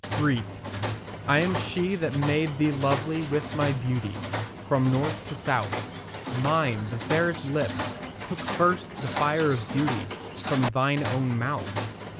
GREECE I am she that made thee lovely with my beauty From north to south: Mine, the fairest lips, took first the fire of duty From thine own mouth.